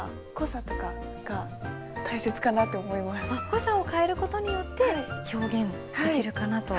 濃さを変える事によって表現できるかなと？